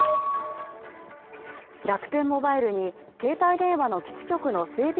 楽天モバイルに携帯電話の基地局の整備